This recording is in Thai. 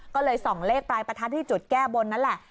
ก็เลยส่องเลขปลายประทัดที่จุดแก้บนนั่นแหละ